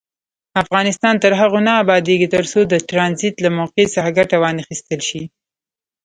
افغانستان تر هغو نه ابادیږي، ترڅو د ټرانزیټ له موقع څخه ګټه وانخیستل شي.